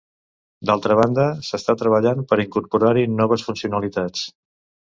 D'altra banda, s'està treballant per incorporar-hi noves funcionalitats.